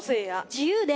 自由で。